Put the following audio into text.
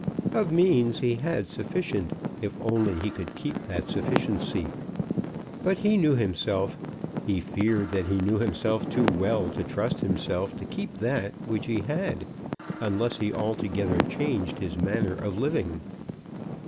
Of means he had sufficient, if only he could keep that sufficiency. But he knew himself, he feared that he knew himself too well to trust himself to keep that which he had unless he altogether changed his manner of living.